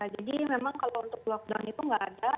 jadi memang kalau untuk lockdown itu tidak ada